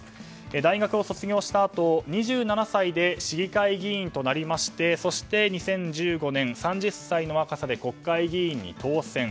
大学を卒業したあと２７歳で市議会議員となりましてそして２０１５年３０歳の若さで国会議員に当選。